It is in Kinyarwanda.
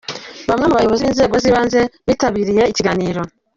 Bamwe mu bayobozi b’inzego z’ibanze bitabiriye ikiganiro.